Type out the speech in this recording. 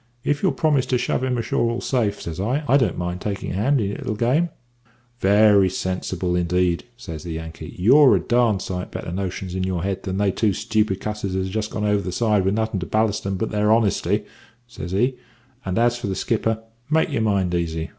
If you'll promise to shove him ashore all safe,' says I, `I don't mind taking a hand in your little game.' "`Very sensible indeed,' says the Yankee; `you've a darned sight better notions in your head than they two stupid cusses as has just gone over the side with nothin' to ballast 'em but their honesty,' says he; `and as for the skipper make your mind easy.